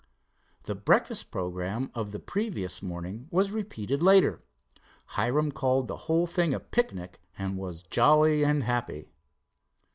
The breakfast programme of the previous morning was repeated later. Hiram called the whole thing a picnic, and was jolly and happy.